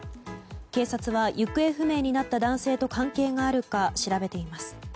警察は、行方不明になった男性と関係があるか調べています。